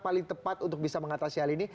paling tepat untuk bisa mengatasi hal ini